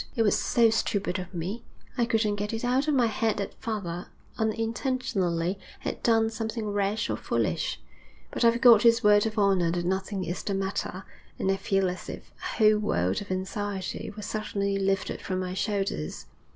'It was so stupid of me; I couldn't get it out of my head that father, unintentionally, had done something rash or foolish; but I've got his word of honour that nothing is the matter, and I feel as if a whole world of anxiety were suddenly lifted from my shoulders.'